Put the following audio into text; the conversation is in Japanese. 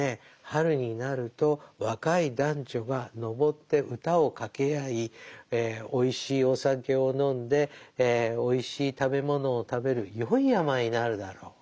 春になると若い男女が登って歌を掛け合いおいしいお酒を飲んでおいしい食べ物を食べるよい山になるだろう。